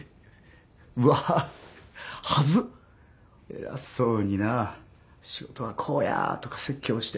偉そうにな仕事はこうやとか説教して。